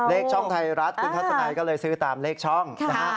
เลขช่องไทยรัฐคุณทัศนัยก็เลยซื้อตามเลขช่องนะฮะ